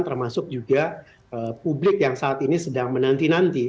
termasuk juga publik yang saat ini sedang menanti nanti